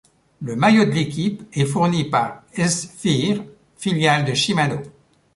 Le maillot de l'équipe est fourni par S-Phyre, filiale de Shimano.